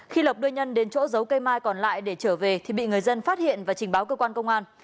khi lộc đưa nhân đến chỗ giấu cây mai còn lại để trở về thì bị người dân phát hiện và trình báo cơ quan công an